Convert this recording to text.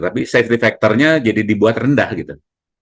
tapi safety factornya jadi dibuat rendah gitu